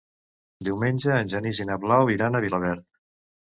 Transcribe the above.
Diumenge en Genís i na Blau iran a Vilaverd.